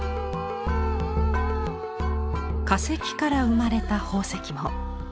化石から生まれた宝石も。